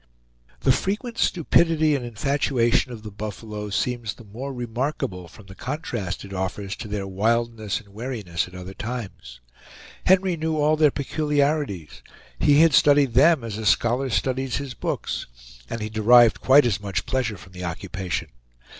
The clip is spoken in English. The frequent stupidity and infatuation of the buffalo seems the more remarkable from the contrast it offers to their wildness and wariness at other times. Henry knew all their peculiarities; he had studied them as a scholar studies his books, and he derived quite as much pleasure from the occupation.